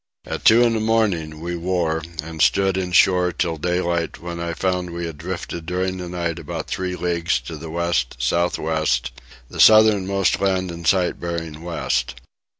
At two in the morning we wore and stood in shore till daylight when I found we had drifted during the night about three leagues to the west south west, the southernmost land in sight bearing west.